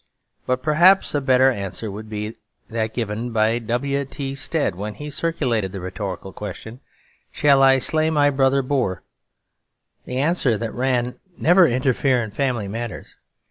But perhaps a better answer would be that given to W. T. Stead when he circulated the rhetorical question, 'Shall I slay my brother Boer?' the answer that ran, 'Never interfere in family matters.'